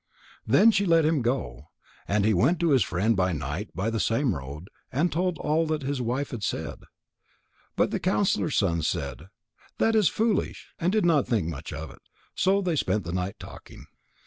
Then she let him go, and he went to his friend by night by the same road, and told all that his wife had said. But the counsellor's son said: "That is foolish," and did not think much of it. So they spent the night talking.